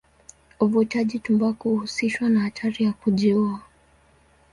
Uvutaji tumbaku huhusishwa na hatari ya kujiua.